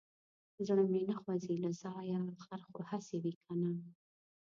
زړه مې نه خوځي له ځايه غر خو هسي وي که نه.